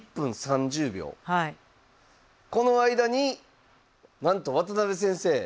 この間になんと渡辺先生